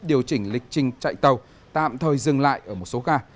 điều chỉnh lịch trình chạy tàu tạm thời dừng lại ở một số ga